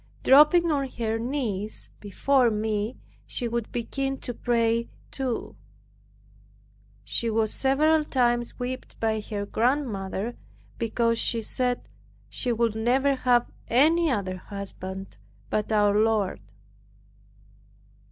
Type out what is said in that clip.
Dropping on her knees before me she would begin to pray too. She was several times whipped by her grandmother, because she said, she would never have any other husband but our Lord.